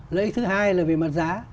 lợi ích thứ hai là về mặt giá